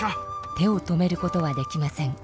手を止めることはできません。